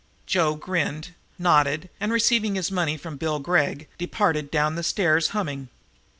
Joe grinned, nodded and, receiving his money from Bill Gregg, departed down the stairs, humming.